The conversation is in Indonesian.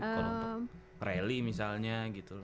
kalo untuk rally misalnya gitu